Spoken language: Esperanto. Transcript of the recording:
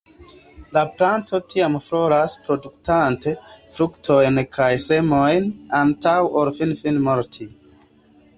La planto tiam floras, produktante fruktojn kaj semojn antaŭ ol finfine morti.